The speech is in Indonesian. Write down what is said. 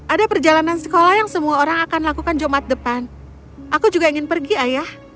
ada perjalanan sekolah yang semua orang akan lakukan jumat depan aku juga ingin pergi ayah